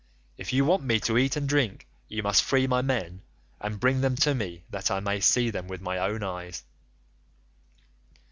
If you want me to eat and drink, you must free my men and bring them to me that I may see them with my own eyes.